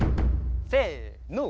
せの。